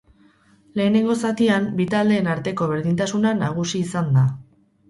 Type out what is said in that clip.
Lehenengo zatian bi taldeen arteko berdintasuna nagusi izan da.